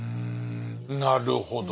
なるほど。